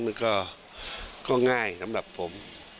มันก็ง่ายสำหรับผม